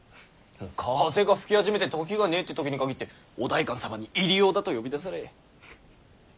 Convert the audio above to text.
もう風が吹き始めて時がねぇって時に限ってお代官様に入り用だと呼び出され。